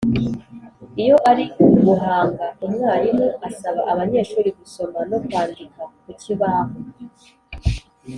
Iyo ari uguhanga umwarimu asaba abanyeshuri gusoma no kwandika ku kibaho